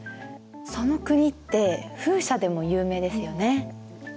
その国って風車でも有名ですよね。